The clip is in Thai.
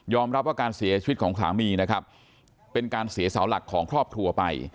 รับว่าการเสียชีวิตของสามีนะครับเป็นการเสียเสาหลักของครอบครัวไป